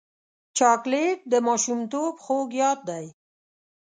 چاکلېټ د ماشومتوب خوږ یاد دی.